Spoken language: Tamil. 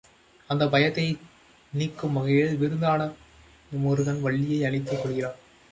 அந்தப் பயத்தை நீக்கும் வகையில், விருத்தனான முருகன் வள்ளியை அணைத்துக் கொள்கிறான்.